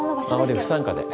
あっ俺不参加で。